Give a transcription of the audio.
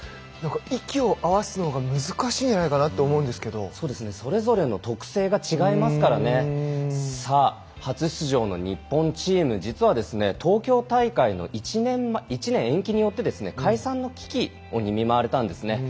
息を合わすのが難しいいのかなと思うんですがそれぞれの特性が違いますから初出場の日本チーム実はですね東京大会の１年延期によってですね解散の危機に見舞われたんです。